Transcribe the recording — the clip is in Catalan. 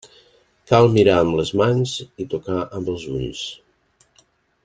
Cal mirar amb les mans i tocar amb els ulls.